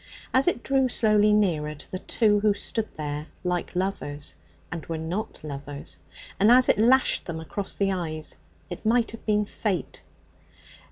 As it drew slowly nearer to the two who stood there like lovers and were not lovers, and as it lashed them across the eyes, it might have been fate.